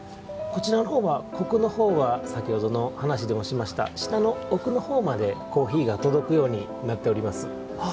こちらの方はコクの方は先ほどの話でもしました舌の奥の方までコーヒーが届くようになっております。